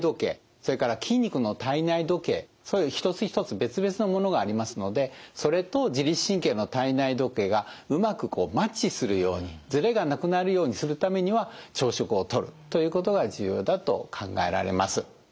それから筋肉の体内時計一つ一つ別々のものがありますのでそれと自律神経の体内時計がうまくマッチするようにずれがなくなるようにするためには朝食をとるということが重要だと考えられます。